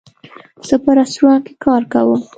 زه په رستورانټ کې کار کوم